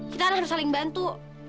kita harus saling bantu